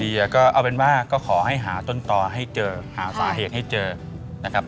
เดี๋ยวก็เอาเป็นว่าก็ขอให้หาต้นต่อให้เจอหาสาเหตุให้เจอนะครับ